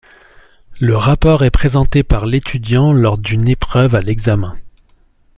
Le rapport est présenté par l'étudiant lors d'une épreuve à l'examen.